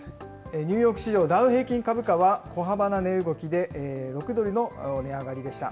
ニューヨーク市場ダウ平均株価は小幅な値動きで、６ドルの値上がりでした。